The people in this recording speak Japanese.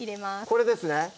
これですね